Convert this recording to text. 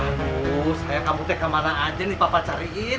aduh sayang kamu kemana aja nih papa cariin